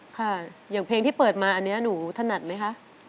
ค่ะอย่างเพลงที่เปิดมาอันนี้หนูถนัดไหมคะ